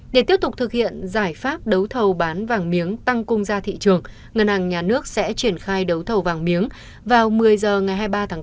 để tiếp tục thực hiện giải pháp đấu thầu bán vàng miếng tăng cung ra thị trường ngân hàng nhà nước sẽ triển khai đấu thầu vàng miếng vào một mươi h ngày hai mươi ba tháng bốn